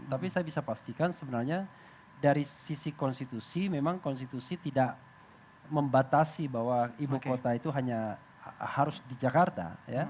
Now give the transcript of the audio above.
tapi saya bisa pastikan sebenarnya dari sisi konstitusi memang konstitusi tidak membatasi bahwa ibu kota itu hanya harus di jakarta